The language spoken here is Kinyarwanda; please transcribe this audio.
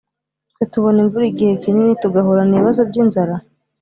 twe tubona imvura igihe kinini tugahorana ibibazo by’inzara?